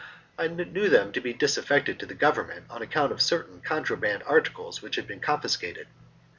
I knew them to be disaffected to the Government on account of certain contraband articles which had been confiscated.